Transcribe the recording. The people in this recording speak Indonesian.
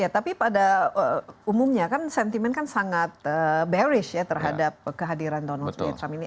tapi pada umumnya kan sentimen sangat bearish ya terhadap kehadiran donald trump ini